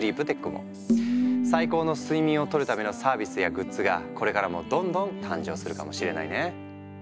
最高の睡眠をとるためのサービスやグッズがこれからもどんどん誕生するかもしれないね。